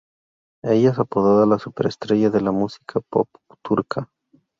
Ella es apodada la superestrella de la música pop turca.